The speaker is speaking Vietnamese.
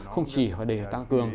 không chỉ để tăng cường